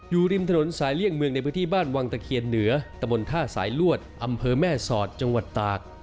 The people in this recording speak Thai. อยู่ริมถนนสายเลี่ยงเมืองในพื้นที่บ้านวังตะเคียนเหนือตะบนท่าสายลวดอำเภอแม่สอดจังหวัดตาก